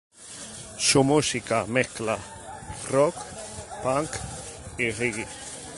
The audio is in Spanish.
Su música mezcla rock, punk y reggae.